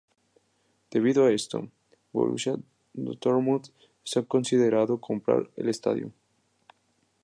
Debido a esto, Borussia Dortmund está considerando comprar el estadio.